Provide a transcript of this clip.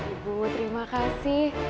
aduh ibu terima kasih